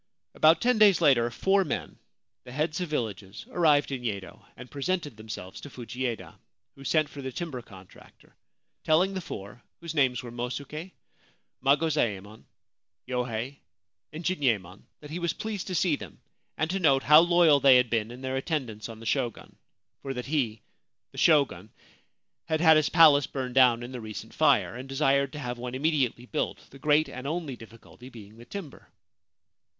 About ten days later four men, the heads of villages, arrived in Yedo, and presented themselves to Fujieda, who sent for the timber contractor, telling the four, whose names were Mosuke, Magozaemon, Yohei, and Jinyemon, that he was pleased to see them and to note how loyal they had been in their attendance on the Shogun, for that he, the Shogun, had had his palace burned down in the recent fire, and desired to have one immediately built, the great and only difficulty being the timber.